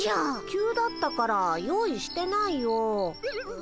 急だったから用意してないよ。